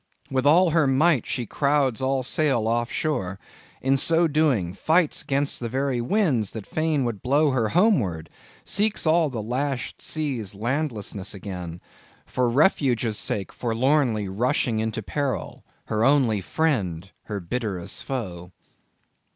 With all her might she crowds all sail off shore; in so doing, fights 'gainst the very winds that fain would blow her homeward; seeks all the lashed sea's landlessness again; for refuge's sake forlornly rushing into peril; her only friend her bitterest foe!